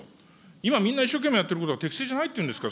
今、みんな一生懸命やってることが適正じゃないっていうんですか。